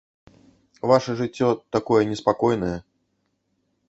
Ваша жыццё такое неспакойнае.